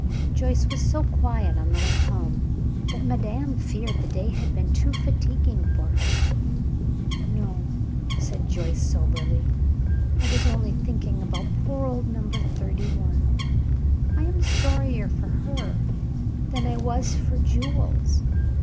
Joyce was so quiet on the way home that madame feared the day had been too fatiguing for her. "No," said Joyce, soberly. "I was only thinking about poor old Number Thirty one. I am sorrier for her than I was for Jules.